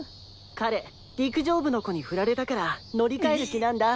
彼陸上部の子にフラれたから乗りかえる気なんだ。